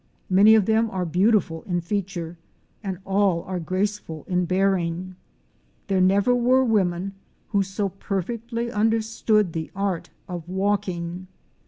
Many of them are beautiful in feature and all are graceful in bearing. There never were women who so perfectly understood the art of walking.